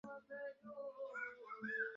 New ইয়র্কে আর দিন-কয়েক আছি।